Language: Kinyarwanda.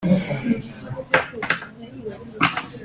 ndarebera izuba munsi y'umusego